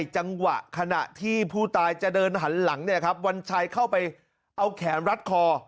จังหวะขณะที่ผู้ตายจะเดินหันหลังวันชัยเข้าไปเอาแขนรัดคอ